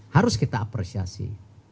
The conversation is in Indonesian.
harus kita apresiasi